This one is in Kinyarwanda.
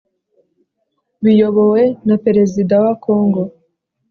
biyobowe na perezida wa congo